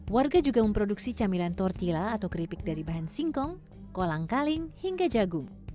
warga juga memproduksi camilan tortilla atau keripik dari bahan singkong kolang kaling hingga jagung